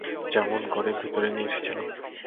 যেমন করে ভিতরে নিয়ে এসেছিলে।